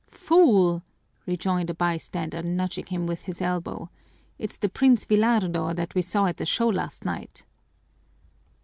"Fool!" rejoined a bystander, nudging him with his elbow. "It's the Prince Villardo that we saw at the show last night!"